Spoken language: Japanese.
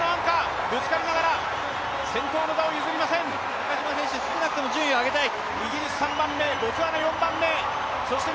中島選手、少なくとも順位を上げたい！